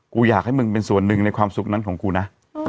กูอยากให้มึงเป็นส่วนหนึ่งในความสุขนั้นของกูนะ